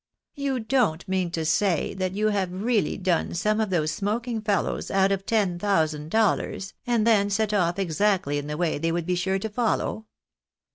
" You don't mean to say that you have really done some of those smoking fellows out of ten thousand dollars, and then set off exactly in the way they would be sure to follow